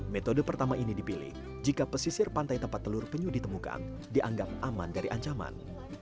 metode pertama ini dipilih jika pesisir pantai tempat telur penyu ditemukan dianggap aman dari ancaman